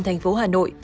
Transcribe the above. thành phố hà nội